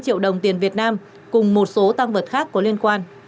năm triệu đồng tiền việt nam cùng một số tang vật khác có liên quan